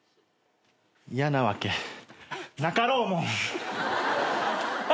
嫌なわけなかろうもん。